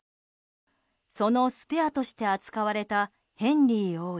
そのスペアとして扱われたヘンリー王子。